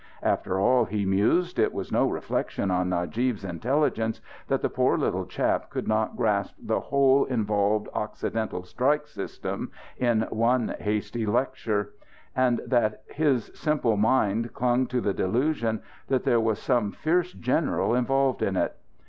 After all, he mused, it was no reflection on Najib's intelligence that the poor little chap could not grasp the whole involved Occidental strike system in one hasty lecture; and that his simple mind clung to the delusion that there was some fierce general involved in it.